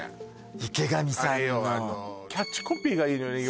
池上さんよ